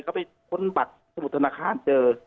ก็ไปค้นบัตรสมุดธนาคารเจอ